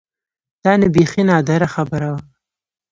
دا نو بيخي نادره خبره وه.